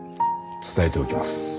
伝えておきます。